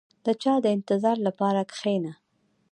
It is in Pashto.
• د چا د انتظار لپاره کښېنه.